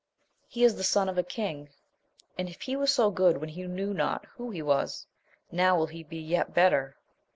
He is the son of a king, and, if he was so good when he knew not who he was, now will he be yet better.